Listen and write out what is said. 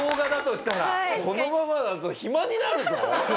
「このままだと暇になるぞ」。